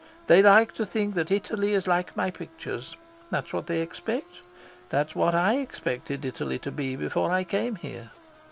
They like to think that Italy is like my pictures. That's what they expect. That's what I expected Italy to be before I came here."